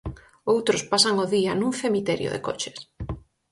Outros pasan o día nun cemiterio de coches...